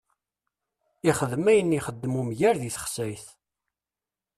Ixeddem ayen i ixeddem umger di texsayt.